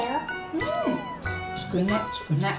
うんつくねつくね。